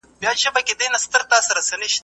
د ټولني دردونه درملنه غواړي.